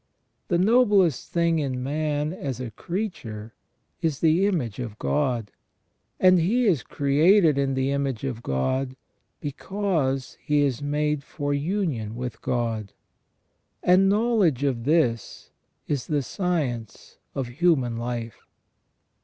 The noblest thing in man as a creature is the image of God, and he is created in the image of God because he is made for union with God. The knowledge of this is the science of human life.